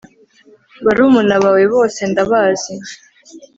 barumuna bawe bose ndabazi